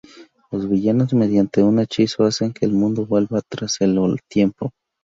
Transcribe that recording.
Los villanos mediante un hechizo hacen que el mundo vuelva atrás en el tiempo.